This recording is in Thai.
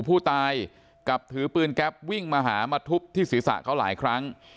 ผู้ตายกลับถือปืนแก๊ปวิ่งมาหามาทุบที่ศีรษะเขาหลายครั้ง